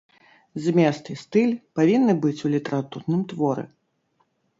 Змест і стыль павінны быць у літаратурным творы.